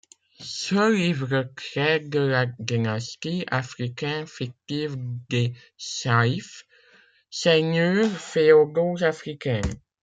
Ce livre traite de la dynastie africaine fictive des Saïfs, seigneurs féodaux africains.